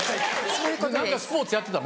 何かスポーツやってたの？